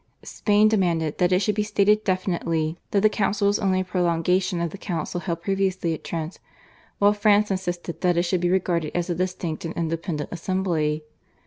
Spain demanded that it should be stated definitely that the council was only a prolongation of the council held previously at Trent, while France insisted that it should be regarded as a distinct and independent assembly.